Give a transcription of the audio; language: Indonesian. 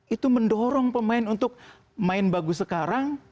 itu mendorong pemain untuk main bagus sekarang